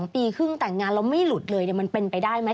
๒ปีครึ่งแต่งงานเราไม่หลุดเลยนี่มันเป็นไปได้มั้ย